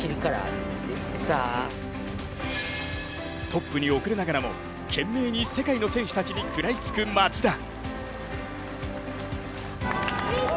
トップに遅れながらも懸命に世界の選手たちに食らいつく松田。